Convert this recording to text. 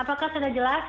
apakah sudah jelas